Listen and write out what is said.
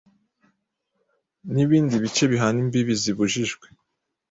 n'ibindi bice bihana imbibi zibujijwe